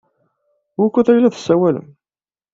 Wukud ay la tessawalem?